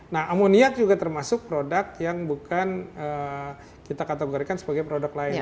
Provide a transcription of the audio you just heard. nah amonia juga termasuk produk yang bukan kita kategorikan sebagai produk lain